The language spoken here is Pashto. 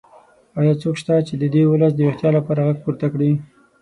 ایا څوک شته چې د دې ولس د ویښتیا لپاره غږ پورته کړي؟